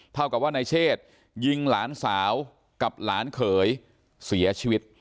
เท่ากับว่านายเชษยิงหลานสาวกับหลานเขยเสียชีวิต